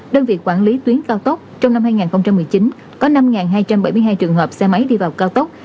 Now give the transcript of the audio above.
đơn vị quản lý tuyến cao tốc trong năm hai nghìn một mươi chín có năm hai trăm bảy mươi hai trường hợp xe máy đi vào cao tốc